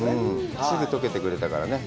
すぐ解けてくれたからね。